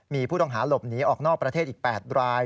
มีผู้ต้องหาหลบหนีออกนอกประเทศอีก๘ราย